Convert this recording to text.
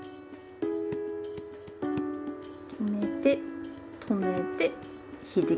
止めて止めて。